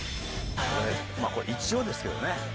まあこれ一応ですけどね。